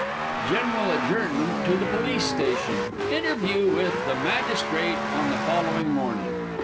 [General adjournment to the Police station. Interview with the Magistrate _on the following morning.